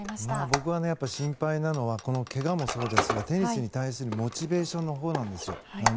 僕が心配なのはこのけがもそうなんですがテニスに対するモチベーションのほうなんですよ。